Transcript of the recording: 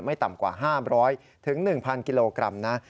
ไม่ต่ำกว่า๕๐๐ถึง๑๐๐๐กิโลกรัมนะ